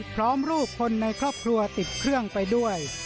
พร้อมรูปคนในครอบครัวติดเครื่องไปด้วย